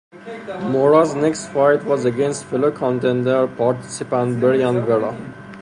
Mora's next fight was against fellow Contender participant Brian Vera.